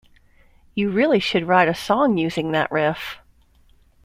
You really should write a song using that riff.